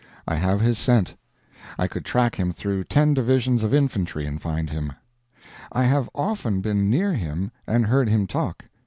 I have his scent; I could track him through ten divisions of infantry and find him. I have often been near him and heard him talk.